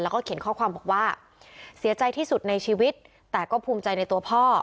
แล้วก็เขียนข้อความบอกว่าเสียใจที่สุดในชีวิตแต่ก็ภูมิใจในตัวพ่อ